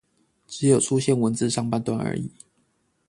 只有出現文字上半段而已